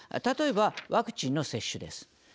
例えばワクチンの接種です。